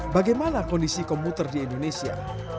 bagaimana kondisi komuter di indonesia